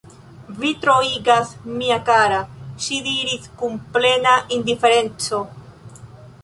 Vi troigas, mia kara, ŝi diris kun plena indiferenteco.